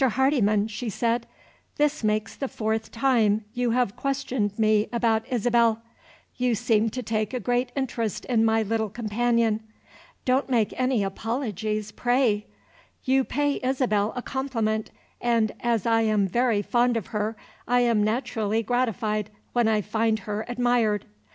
Hardyman," she said, "this makes the fourth time you have questioned me about Isabel. You seem to take a great interest in my little companion. Don't make any apologies, pray! You pay Isabel a compliment, and, as I am very fond of her, I am naturally gratified when I find her admired.